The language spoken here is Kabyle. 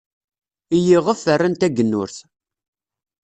I yixef, rran tagennurt.